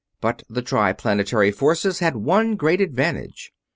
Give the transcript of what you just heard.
But the Triplanetary forces had one great advantage.